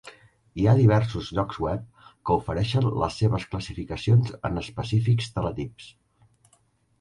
Hi ha diversos llocs web que ofereixen les seves classificacions en específics teletips.